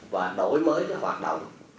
và đổi mới hoạt động